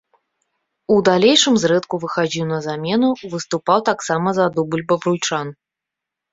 У далейшым зрэдку выхадзіў на замену, выступаў таксама за дубль бабруйчан.